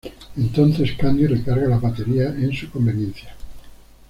Entonces, Kandi recarga las baterías en su conveniencia.